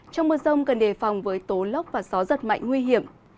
trong mưa rông cần đề phòng với tố lốc và gió giật mạnh nguy hiểm